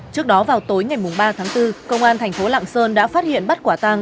trước đó vào tối ngày ba tháng bốn công an thành phố lạng sơn đã phát hiện bắt quả tăng